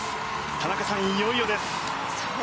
田中さん、いよいよです。